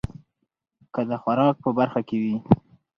که د خوراک په برخه کې وي